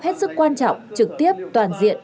hết sức quan trọng trực tiếp toàn diện